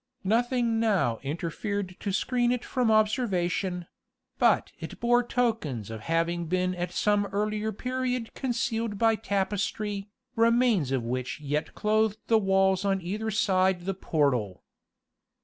Nothing now interfered to screen it from observation; but it bore tokens of having been at some earlier period concealed by tapestry, remains of which yet clothed the walls on either side the portal.